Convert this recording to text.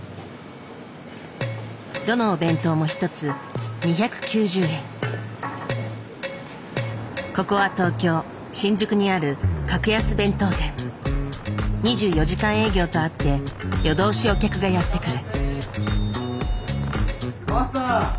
どのお弁当も一つここは東京・新宿にある２４時間営業とあって夜通しお客がやって来る。